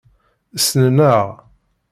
Ssnen-aɣ.